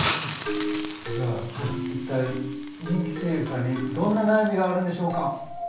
ちょっとじゃあ一体人気声優さんにどんな悩みがあるんでしょうか？